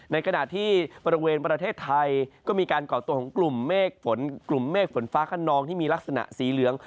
ในขณะที่บริเวณประเทศไทยก็มีการก่อตัวของกลุ่มเมฆฝนกลุ่มเมฆฝนฟ้าขนองที่มีลักษณะสีเหลือง